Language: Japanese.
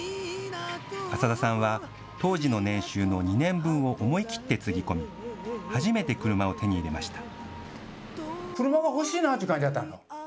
浅田さんは当時の年収の２年分を思い切ってつぎ込み、初めて車を手に入れました。